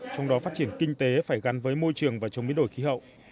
trong đó phát triển kinh tế phải gắn với môi trường và chống biến đổi khí hậu